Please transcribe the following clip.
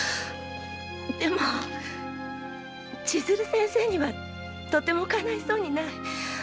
でも千鶴先生にはとてもかないそうにない。